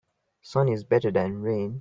Sun is better than rain.